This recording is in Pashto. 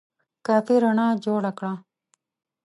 کافي رڼا جوړه کړه !